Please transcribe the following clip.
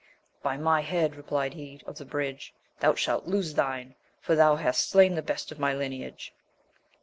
By my head, replied he of the bridge, thou shalt lose thine! for thou hast slain the best of my lineage.